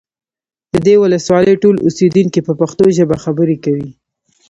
د دې ولسوالۍ ټول اوسیدونکي په پښتو ژبه خبرې کوي